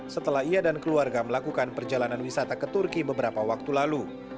setelah ia dan keluarga melakukan perjalanan wisata ke turki beberapa waktu lalu